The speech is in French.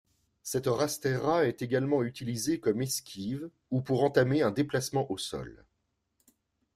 Cette rasteira est également utilisée comme esquive ou pour entamer un déplacement au sol.